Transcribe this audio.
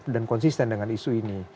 dan konsisten dengan isu ini